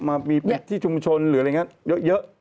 มามีเด็กที่ชุมชนหรืออะไรอย่างนี้เยอะ